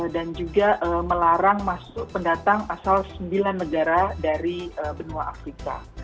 dan juga melarang pendatang asal sembilan negara dari benua afrika